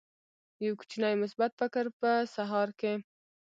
یو کوچنی مثبت فکر په سهار کې